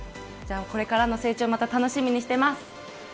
これからの成長また楽しみにしています。